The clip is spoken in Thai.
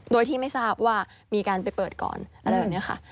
โดยที่ไม่ทราบว่ามีการไปเปิดก่อนอะไรแบบนี้ค่ะ